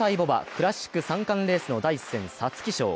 クラシック三冠レースの第１戦、皐月賞。